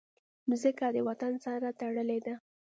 مځکه د وطن سره تړلې ده.